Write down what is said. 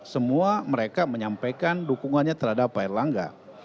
semua mereka menyampaikan dukungannya terhadap pak erlangga